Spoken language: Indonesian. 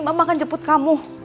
mama akan jemput kamu